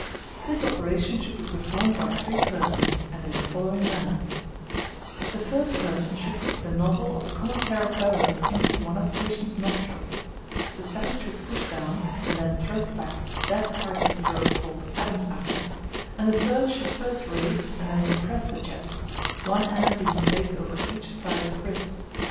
This operation should be performed by three persons, and in the following manner: The first person should put the nozzle of a common pair of bellows into one of the patient's nostrils; the second should push down, and then thrust back, that part of the throat called "Adam's apple;" and the third should first raise and then depress the chest, one hand being placed over each side of the ribs.